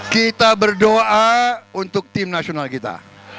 kita berdoa untuk tim nasional kita